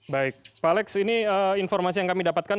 baik pak alex ini informasi yang kami dapatkan